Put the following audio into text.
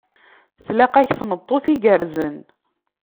Tlaq-ak tameṭṭut igerrzen.